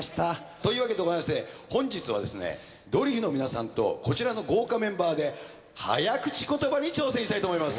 というわけでございまして本日はですねドリフの皆さんとこちらの豪華メンバーで早口言葉に挑戦したいと思います。